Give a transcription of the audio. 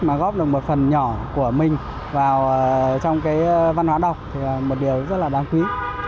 mà góp được một phần nhỏ của mình vào trong cái văn hóa đọc thì là một điều rất là đáng quý